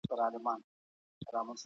ایا ملي بڼوال وچه الوچه پروسس کوي؟